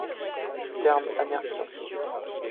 Terme américain.